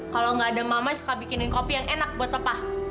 kalau nggak ada mama suka bikinin kopi yang enak buat papa